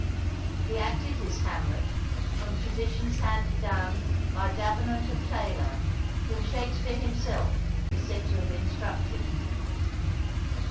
He acted his Hamlet from traditions handed down by Davenant of Taylor, whom Shakspere himself is said to have instructed.